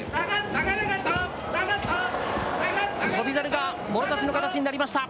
翔猿がもろ差しの形になりました。